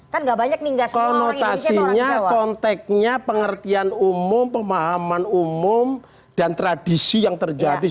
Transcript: kan enggak banyak mingga konotasinya konteksnya pengertian umum pemahaman umum dan tradisi yang terjadi selama ini